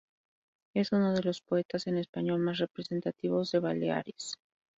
Es uno de los poetas en español más representativos de Baleares.